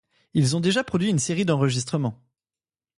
Ils ont déjà produit une série d'enregistrements.